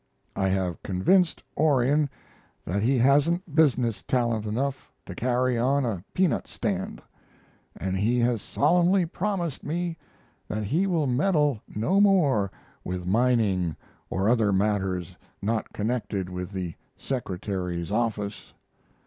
I have convinced Orion that he hasn't business talent enough to carry on a peanut stand, and he has solemnly promised me that he will meddle no more with mining or other matters not connected with the secretary's office.